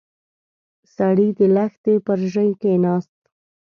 سړی د لښتي پر ژۍ کېناست.